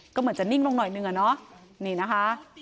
ก็เหมือนจะนิ่งลงหน่อยหนึ่งอะเนาะนี่นะคะ